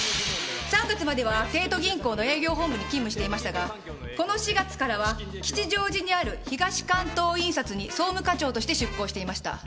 ３月までは帝都銀行の営業本部に勤務していましたがこの４月からは吉祥寺にある東関東印刷に総務課長として出向していました。